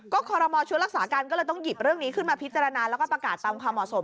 คอรมอชุดรักษาการก็เลยต้องหยิบเรื่องนี้ขึ้นมาพิจารณาแล้วก็ประกาศตามความเหมาะสม